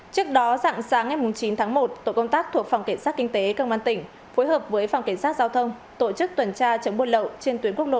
trước đó sáng ngày chín tháng một tổ công tác thuộc phòng kể sát kinh tế cơ quan tỉnh phối hợp với phòng kể sát giao thông tổ chức tuần tra chấm buôn lậu trên tuyến quốc lộ chín mươi một